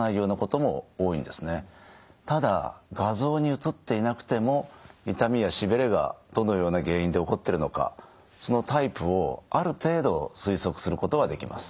ただ画像に写っていなくても痛みやしびれがどのような原因で起こってるのかそのタイプをある程度推測することはできます。